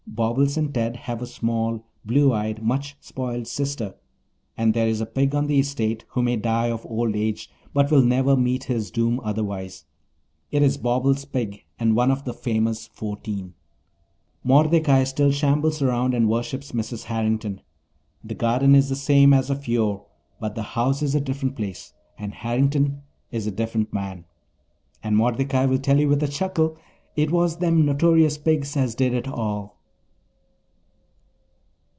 Bobbles and Ted have a small, blue eyed, much spoiled sister, and there is a pig on the estate who may die of old age, but will never meet his doom otherwise. It is Bobbles' pig and one of the famous fourteen. Mordecai still shambles around and worships Mrs. Harrington. The garden is the same as of yore, but the house is a different place and Harrington is a different man. And Mordecai will tell you with a chuckle, "It was them notorious pigs as did it all."